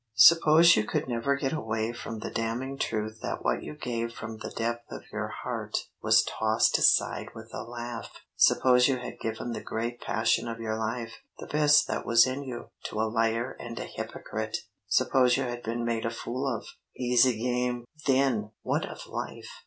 Suppose you could never get away from the damning truth that what you gave from the depth of your heart was tossed aside with a laugh! Suppose you had given the great passion of your life, the best that was in you, to a liar and a hypocrite! Suppose you had been made a fool of! easy game! Then what of life?